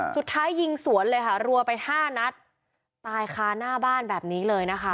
สุดท้ายยิงสวนเลยค่ะรัวไปห้านัดตายคาหน้าบ้านแบบนี้เลยนะคะ